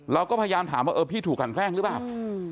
เราก็พยายามถามว่าเออพี่ถูกกันแกล้งหรือเปล่า